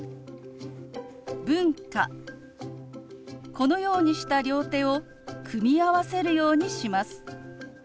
このようにした両手を組み合わせるようにします。